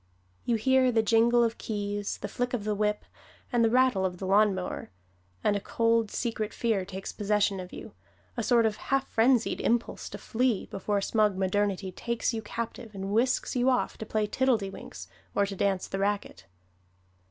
You hear the jingle of keys, the flick of the whip and the rattle of the lawnmower; and a cold, secret fear takes possession of you a sort of half frenzied impulse to flee, before smug modernity takes you captive and whisks you off to play tiddledywinks or to dance the racquet.